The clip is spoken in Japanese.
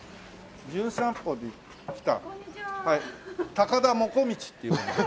高田もこみちっていうんです。